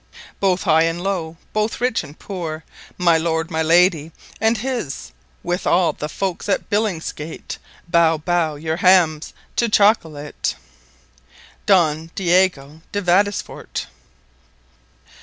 Both High and Low, both Rich and Poore My Lord, my Lady, and his __ With all the Folkes at Billingsgate, Bow, Bow your Hamms to Chocolate. Don Diego de Vadesforte.